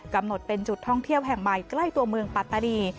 กำหนดเป็นจุดท่องเที่ยวแห่งใหม่ใกล้ตัวเมืองปัตตานี